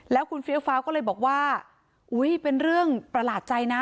แล้วคุณเฟี้ยวฟ้าวก็เลยบอกว่าอุ้ยเป็นเรื่องประหลาดใจนะ